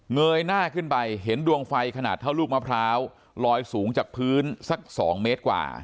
ยหน้าขึ้นไปเห็นดวงไฟขนาดเท่าลูกมะพร้าวลอยสูงจากพื้นสัก๒เมตรกว่า